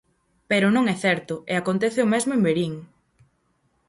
Pero non é certo, e acontece o mesmo en Verín.